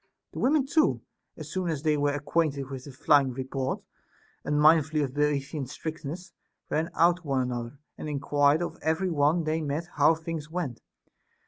The women too, as soon as they were acquainted with the flying report, unmindful of the Boeotian strictness, ran out to one another, and enquired of every one they met how things went.